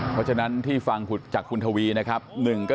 บีชอบพระผมอาจารย์